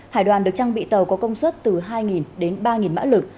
hải đoàn được trang bị tàu có công suất từ hai đến ba mã lực